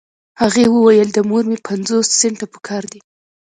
هغې وويل د مور مې پنځوس سنټه پهکار دي.